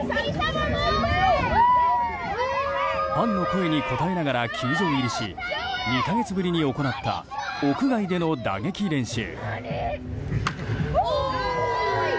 ファンの声に応えながら球場入りし２か月ぶりに行った屋外での打撃練習。